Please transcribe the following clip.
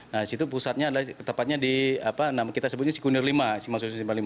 nah disitu pusatnya adalah tepatnya di kita sebutnya sikunir v simpang susun s simpang lima